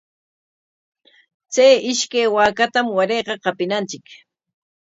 Chay ishkay waakatam warayqa qapinachik.